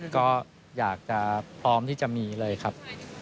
ก็อยากจะพร้อมที่จะมีเลยครับ